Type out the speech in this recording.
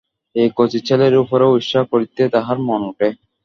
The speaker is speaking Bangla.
এই কচি ছেলের উপরেও ঈর্ষা করিতে তাহার মন ওঠে?